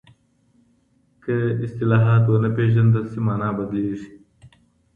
که اصطلاحات ونه پېژندل سي مانا بدليږي.